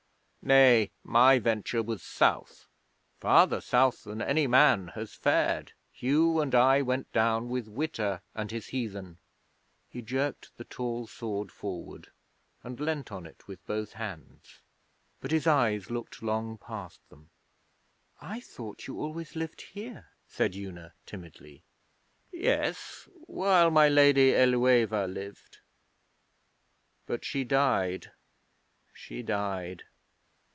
'Nay. My venture was South. Farther South than any man has fared, Hugh and I went down with Witta and his heathen.' He jerked the tall sword forward, and leaned on it with both hands; but his eyes looked long past them. 'I thought you always lived here,' said Una, timidly. 'Yes; while my Lady Ælueva lived. But she died. She died.